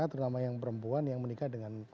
terutama yang perempuan yang menikah dengan